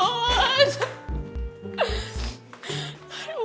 gak bisa gue dinginin terus